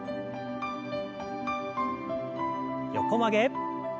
横曲げ。